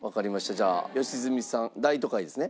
じゃあ良純さん『大都会』ですね？